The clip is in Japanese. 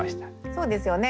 そうですよね。